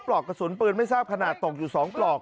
ปลอกกระสุนปืนไม่ทราบขนาดตกอยู่๒ปลอก